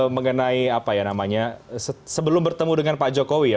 mengenai apa ya namanya sebelum bertemu dengan pak jokowi ya